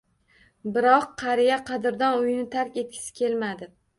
Biroq qariya qadrdon uyini tark etgisi kelmadi